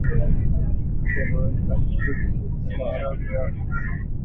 Kisha loweka usiku kucha maharage yako